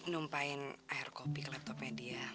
numpain air kopi ke laptopnya dia